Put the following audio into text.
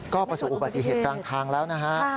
ก็ประสบอุบัติเหตุกลางทางแล้วนะฮะ